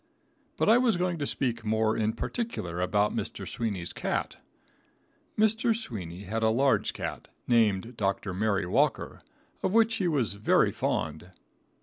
But I was going to speak more in particular about Mr. Sweeney's cat. Mr. Sweeney had a large cat, named Dr. Mary Walker, of which he was very fond.